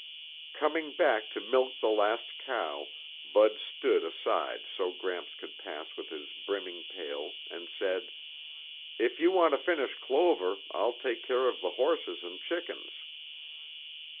Coming back to milk the last cow, Bud stood aside so Gramps could pass with his brimming pail and said, "If you want to finish Clover, I'll take care of the horses and chickens."